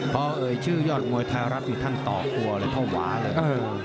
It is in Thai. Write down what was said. เพราะชื่อยอดมวยไทยรัฐที่ท่านต่อกลัวเลยเท่าหวาเลย